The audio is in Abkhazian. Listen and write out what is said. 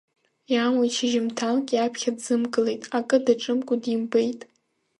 Иамуит шьжьымҭанк иаԥхьа дзымгылеит, акы даҿымкәа димбеит.